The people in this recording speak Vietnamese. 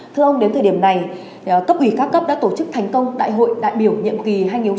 thưa ông đến thời điểm này cấp ủy các cấp đã tổ chức thành công đại hội đại biểu nhiệm kỳ hai nghìn hai mươi hai nghìn hai mươi năm